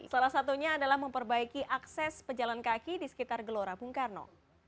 salah satunya adalah memperbaiki akses pejalan kaki di sekitar gelora bung karno